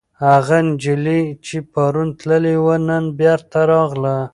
هغه نجلۍ چې پرون تللې وه، نن بېرته راغله.